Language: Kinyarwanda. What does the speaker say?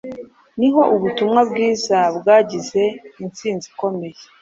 ni ho ubutumwa bwiza bwagize insinzi ikomeye;